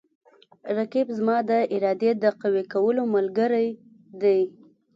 رقیب زما د ارادې د قوي کولو ملګری دی